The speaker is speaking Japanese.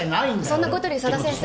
そんなことより佐田先生